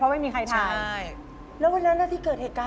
ครับก็ออกมาข้างนอกแม่ก็ทำหน้าทำตา